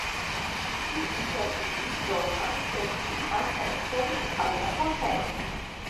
Ĉiu inter ili donas specifan econ al la papero.